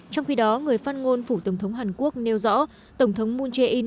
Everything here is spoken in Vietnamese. trong khi đó người phát ngôn phủ tổng thống hàn quốc nêu rõ tổng thống moon jae in